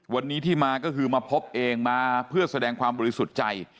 วันนี้ที่มาก็คือมาพบเองมาเพื่อแสดงความบริสุทธิ์ใจ